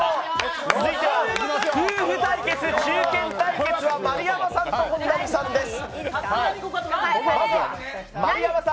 続いては夫婦対決中堅対決丸山さんと本並さんです。